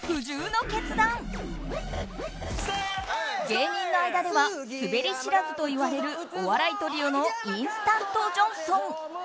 芸人の間ではスベり知らずといわれるお笑いトリオのインスタントジョンソン。